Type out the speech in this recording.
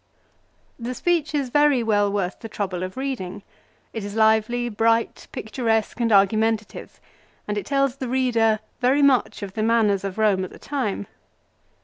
The speech is very well worth the trouble of reading. It is lively, bright, picturesque and argumentative ; and it tells the reader very much of the manners of Eome at the time.